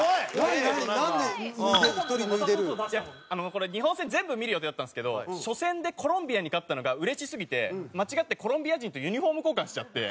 これ日本戦全部見る予定だったんですけど初戦でコロンビアに勝ったのがうれしすぎて間違ってコロンビア人とユニフォーム交換しちゃって。